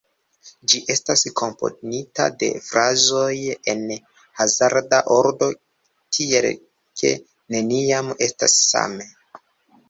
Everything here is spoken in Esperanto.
Ĝi estas komponita de frazoj en hazarda ordo, tiel ke neniam estas same.